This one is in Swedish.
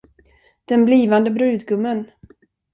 Den blivande brudgummen.